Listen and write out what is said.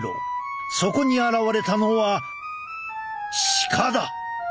そこに現れたのは鹿だ！